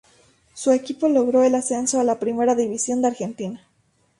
Su equipo logró el ascenso a la Primera División de Argentina.